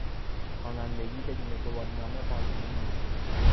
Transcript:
رانندگی بدون گواهینامه قانونی نیست.